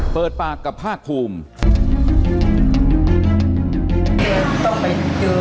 เปิดปากกับภาคภูมิ